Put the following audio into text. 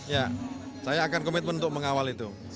ya saya akan komitmen untuk mengawal itu